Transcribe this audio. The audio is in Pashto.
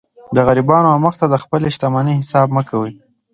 د غریبانو و مخ ته د خپلي شتمنۍ حساب مه کوئ!